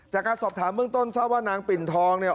จากการสอบถามเบื้องต้นทราบว่านางปิ่นทองเนี่ย